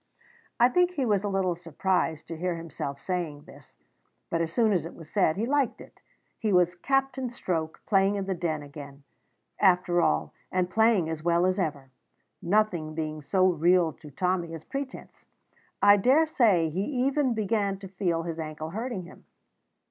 I think he was a little surprised to hear himself saying this; but, as soon as it was said, he liked it. He was Captain Stroke playing in the Den again, after all, and playing as well as ever. Nothing being so real to Tommy as pretence, I daresay he even began to feel his ankle hurting him.